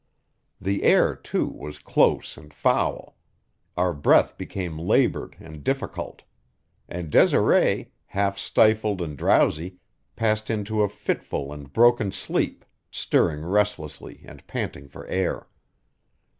The air, too, was close and foul; our breath became labored and difficult; and Desiree, half stifled and drowsy, passed into a fitful and broken sleep, stirring restlessly and panting for air.